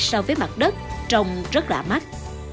so với mặt đất trông rất lạ mắt